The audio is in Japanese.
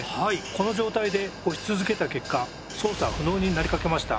この状態で押し続けた結果操作不能になりかけました。